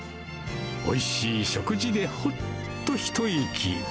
おいしい食事でほっと一息。